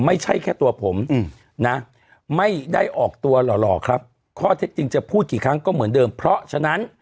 ไม่ใช่แค่ตัวผมนะไม่ได้ออกตัวหล่อครับข้อเท็จจริงจะพูดกี่ครั้งก็เหมือนเดิมเพราะฉะนั้น